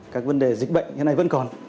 các vấn đề dịch bệnh như thế này vẫn còn